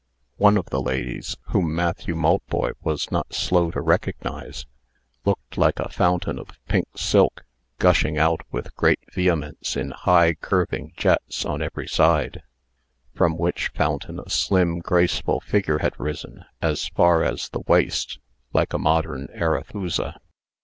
One of the ladies, whom Matthew Maltboy was not slow to recognize, looked like a fountain of pink silk, gushing out with great vehemence in high, curving jets on every side; from which fountain a slim, graceful figure had risen, as far as the waist, like a modern Arethusa.